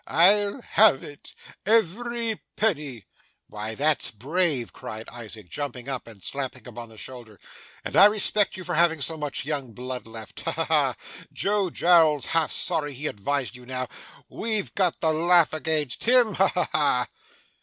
'I'll have it, every penny.' 'Why, that's brave,' cried Isaac, jumping up and slapping him on the shoulder; 'and I respect you for having so much young blood left. Ha, ha, ha! Joe Jowl's half sorry he advised you now. We've got the laugh against him. Ha, ha, ha!